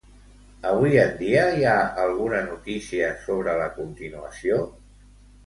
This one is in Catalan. Avui en dia hi ha alguna notícia sobre la continuació?